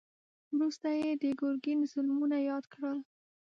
وروسته يې د ګرګين ظلمونه ياد کړل.